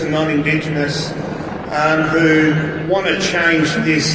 yang ingin mengubah perhubungan ini